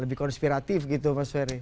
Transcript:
lebih konspiratif gitu mas ferry